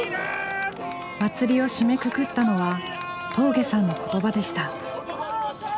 祭りを締めくくったのは峠さんの言葉でした。